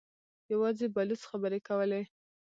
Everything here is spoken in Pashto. يواځې بلوڅ خبرې کولې.